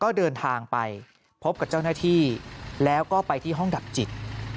ก็เดินทางไปพบกับเจ้าหน้าที่แล้วก็ไปที่ห้องดับจิต